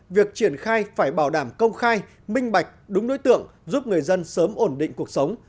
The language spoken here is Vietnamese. việc triển khai phải bảo đảm công khai minh bạch đúng đối tượng giúp người dân sớm ổn định cuộc sống